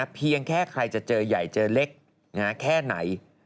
เพียงแค่ใครจะเจอใหญ่เจอเล็กแค่ไหน